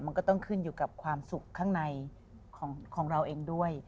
มันก็ต้องขึ้นอยู่กับความสุขข้างในของเราเองด้วย